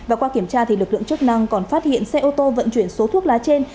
và qua kiểm tra lực lượng chức năng còn phát hiện xe ô tô vận chuyển số thuốc lá trên